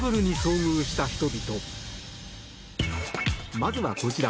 まずは、こちら。